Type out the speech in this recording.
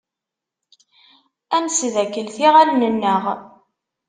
Ad nesdakklet iɣallen-nneɣ.